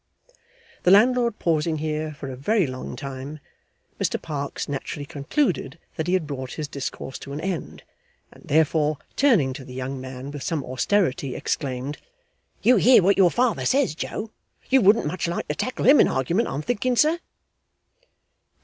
The landlord pausing here for a very long time, Mr Parkes naturally concluded that he had brought his discourse to an end; and therefore, turning to the young man with some austerity, exclaimed: 'You hear what your father says, Joe? You wouldn't much like to tackle him in argeyment, I'm thinking, sir.